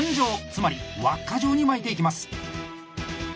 つまり輪っか状に巻いていきます。